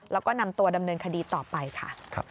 แล้วก็นำตัวดำเนินคดีต่อไปค่ะ